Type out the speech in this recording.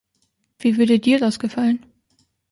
Wie würde dir das gefallen?